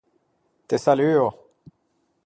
Te saluo!